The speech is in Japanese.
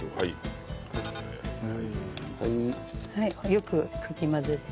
よくかき混ぜて。